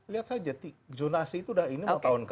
lihat saja zonasi itu udah ini mau tahun ke enam